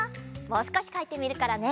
もうすこしかいてみるからね。